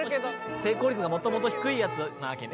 成功率がもともと低いやつなわけね。